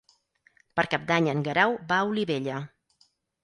Per Cap d'Any en Guerau va a Olivella.